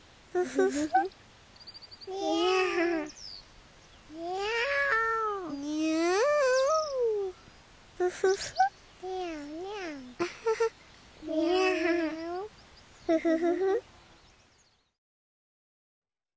フフフフ。